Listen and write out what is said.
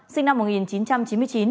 sinh năm một nghìn chín trăm chín mươi chín